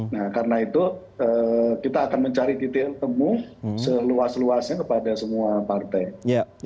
nah karena itu kita akan mencari titik yang temu seluas luasnya kepada semua partai